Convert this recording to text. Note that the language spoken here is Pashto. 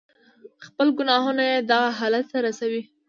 خپل گناهونه ئې دغه حالت ته ورسوي.